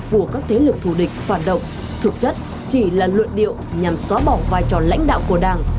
của các thế lực thù địch phản động thực chất chỉ là luận điệu nhằm xóa bỏ vai trò lãnh đạo của đảng